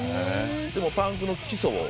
でもパンクの基礎を。